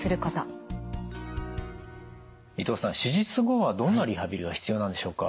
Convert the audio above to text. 伊藤さん手術後はどんなリハビリが必要なんでしょうか？